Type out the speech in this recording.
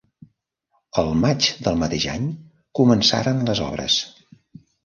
El maig del mateix any començaren les obres.